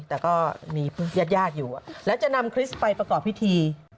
แต่ก็มีญาติญาติอยู่แล้วจะนำคริสต์ไปประกอบพิธี